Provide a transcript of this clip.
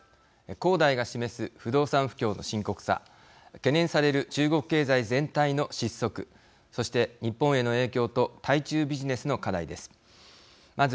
恒大が示す不動産不況の深刻さ懸念される中国経済全体の失速そして日本への影響と対中ビジネスの課題です。